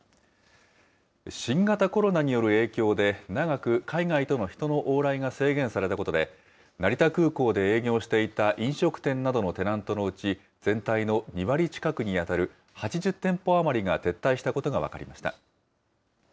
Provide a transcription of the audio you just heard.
新型コロナによる影響で、長く海外との人の往来が制限されたことで、成田空港で営業していた飲食店などのテナントのうち、全体の２割近くに当たる８０店舗余りが撤退したことが分かりました。